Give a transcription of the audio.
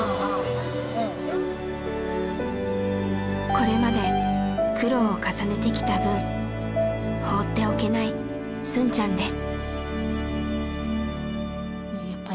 これまで苦労を重ねてきた分放っておけないスンちゃんです。